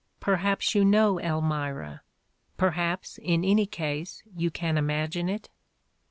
Per haps you know Elmira ? Perhaps, in any case, you can imagine it?